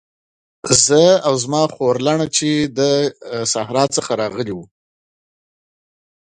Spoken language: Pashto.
زه او زما خورلنډه چې له صحرا نه راغلې وو.